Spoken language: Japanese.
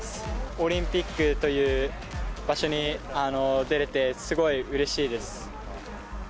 オリンピックという場所に出れて、すごいうれしいです。